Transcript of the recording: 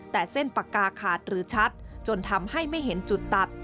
แต่เส้นปากกาขาดหรือชัดจนทำให้ไม่เห็นจุดตัด